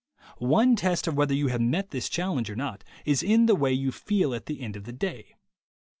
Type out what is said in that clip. One test of whether you have met this challenge or not is in the way you feel at the end of the day.